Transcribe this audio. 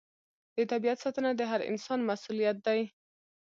د طبیعت ساتنه د هر انسان مسوولیت دی.